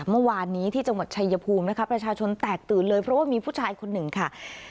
เมื่อวานนี้ที่จังหวัดชายภูมินะคะประชาชนแตกตื่นเลยเพราะว่ามีผู้ชายคนหนึ่งค่ะ